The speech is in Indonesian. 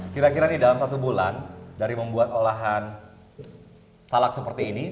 kira kira nih dalam satu bulan dari membuat olahan salak seperti ini